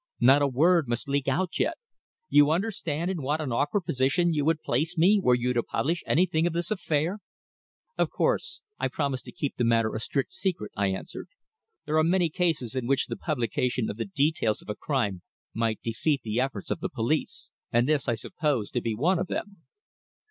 Not a word must leak out yet. You understand in what an awkward position you would place me were you to publish anything of this affair." "Of course. I promise you to keep the matter a strict secret," I answered. "There are many cases in which the publication of the details of a crime might defeat the efforts of the police, and this I supposed to be one of them."